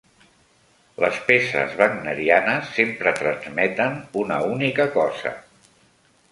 Les peces wagnerianes sempre transmeten una única cosa.